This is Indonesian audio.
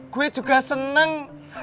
gue juga seneng